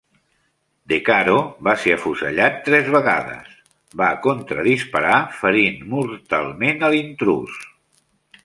De Caro va ser afusellat tres vegades; va contra-disparar ferint mortalment a l'intrús.